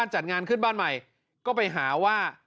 จัดงานขึ้นบ้านใหม่ก็ไปหาว่า